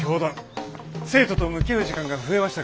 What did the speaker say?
生徒と向き合う時間が増えましたからね。